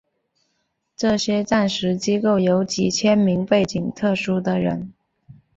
这些战时机构有几千名背景特殊的人。